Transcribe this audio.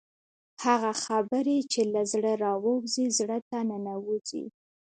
هغه خبرې چې له زړه راوځي زړه ته ننوځي.